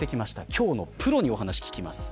今日のプロに聞きます。